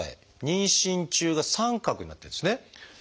妊娠中が「△」になってるんですね。